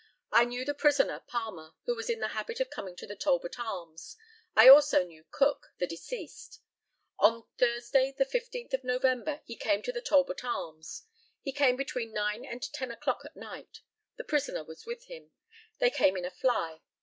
I knew the prisoner Palmer, who was in the habit of coming to the Talbot Arms. I also knew Cook, the deceased. On Thursday, the 15th of November, he came to the Talbot Arms. He came between nine and ten o'clock at night. The prisoner was with him. They came in a fly.